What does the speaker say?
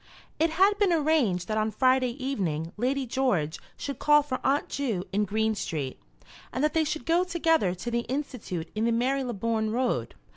It had been arranged that on Friday evening Lady George should call for Aunt Ju in Green Street, and that they should go together to the Institute in the Marylebone Road.